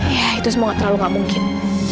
ya itu semua terlalu nggak mungkin